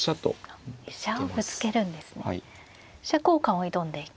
飛車交換を挑んでいく。